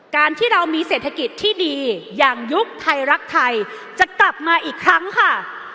การที่เรามีเศรษฐกิจที่ดีอย่างยุคไทยรักไทยจะกลับมาอีกครั้งค่ะ